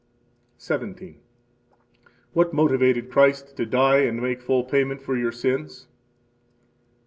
17. What motivated Christ to die and make full payment for your sins?